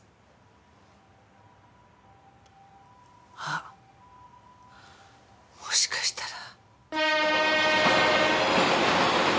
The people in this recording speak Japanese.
あっもしかしたら。